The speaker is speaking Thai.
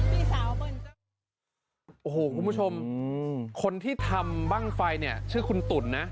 พี่สาวเบิ้ลโอ้โหคุณผู้ชมคนที่ทำบ้างไฟเนี่ยชื่อคุณตุ๋นนะ